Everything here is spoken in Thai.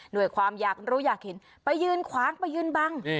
ด้วยความอยากรู้อยากเห็นไปยืนขวางไปยืนบัง